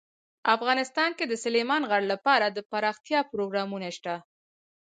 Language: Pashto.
افغانستان کې د سلیمان غر لپاره دپرمختیا پروګرامونه شته.